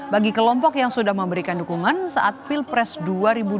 bagi kelompok yang sudah memberikan dukungan saat pilpres dua ribu dua puluh